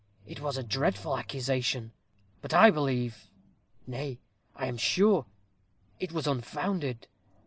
It was a dreadful accusation. But I believe, nay, I am sure, it was unfounded.